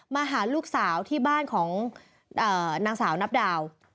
มาหาลูกสาวที่บ้านของนางสาวนับดาว